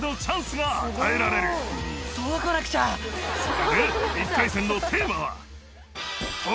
それで１回戦のテーマは。